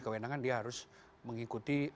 kewenangan dia harus mengikuti